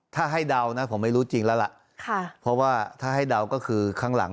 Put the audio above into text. ถ้าให้เดาผมไม่รู้จริงแล้วเพราะถ้าให้เดาก็คือข้างหลัง